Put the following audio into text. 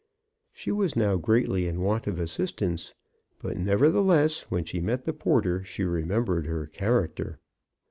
She was now greatly in want of assistance; but, nevertheless, when she met the porter she remembered her character.